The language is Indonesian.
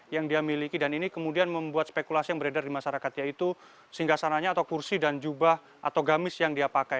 yang dia miliki dan ini kemudian membuat spekulasi yang beredar di masyarakat yaitu singgah sananya atau kursi dan jubah atau gamis yang dia pakai